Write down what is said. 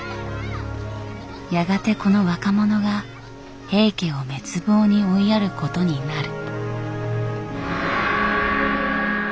やがてこの若者が平家を滅亡に追いやることになる。